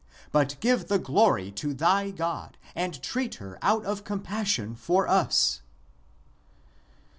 But give the glory to thy God and treat her out of compassion for us."